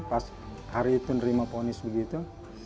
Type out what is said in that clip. pas hari itu nerima ponis begitu